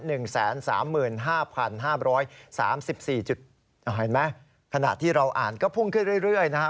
เห็นไหมขณะที่เราอ่านก็พุ่งขึ้นเรื่อยนะฮะ